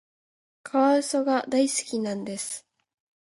カワウソが大好きなんです。